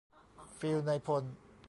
ฟีลนายพล